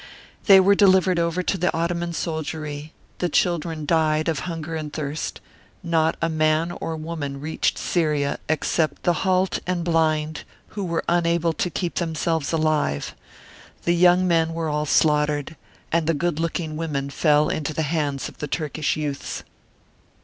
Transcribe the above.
They were delivered Martyred Armenia 13 over to the Ottoman soldiery; the children died of hunger and thirst; not a man or woman reached Syria except the halt and blind, who were unable to keep themselves alive; the young men were all slaughtered; and the good looking women fell into the hands of the Turkish youths.